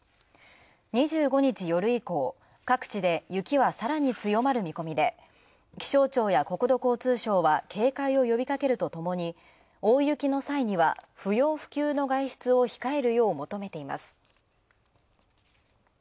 ２５日夜以降、各地で雪はさらに強まる見込みで気象庁や国土交通省は警戒を呼びかけるとともに大雪の際には、不要不急の外出を控えるよう求めています。